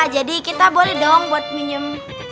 jadi kita boleh dong buat minjem